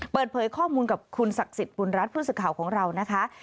เปิดเผยข้อมูลกับคุณศักดิ์สิทธิ์บุญรัฐผู้สื่อข่าวของเรานะคะ